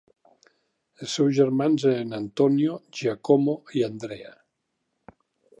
Els seus germans eren Antonio, Giacomo i Andrea.